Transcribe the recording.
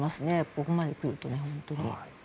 ここまで来ると本当に。